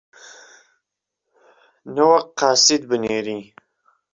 نەوەک قاسيد بنێرێ